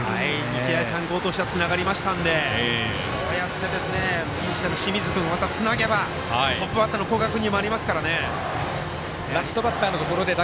日大三高としたらつながりましたので、こうやって清水君がまたつなげばトップバッターの古賀君にまたつながりますから。